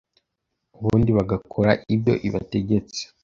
ubundi bagakora ibyo ibategetse.